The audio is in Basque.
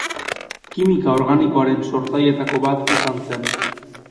Kimika organikoaren sortzaileetako bat izan zen.